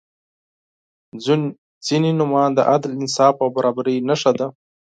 • ځینې نومونه د عدل، انصاف او برابري نښه ده.